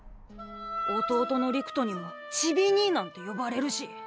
弟の陸斗にも「ちびにい」なんて呼ばれるし。